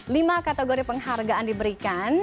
lima kategori penghargaan diberikan